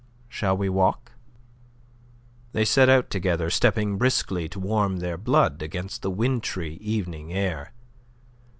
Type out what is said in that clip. Shall we walk?" They set out together, stepping briskly to warm their blood against the wintry evening air.